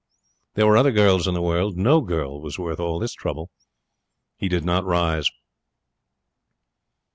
There were other girls in the world. No girl was worth all this trouble. He did not rise.